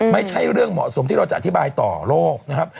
ไม่ใช่เรื่องเหมาะสมที่เราจะอธิบายต่อโลกนะครับ